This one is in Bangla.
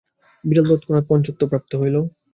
বিড়াল তৎক্ষণাৎ পঞ্চত্ব প্রাপ্ত হইল।